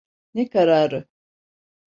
Ne kararı?